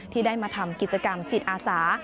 ที่ได้มาทำกิจกรรมจิตอาสา